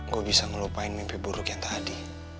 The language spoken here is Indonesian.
gue bisa ngelupain mimpi buruk yang tadi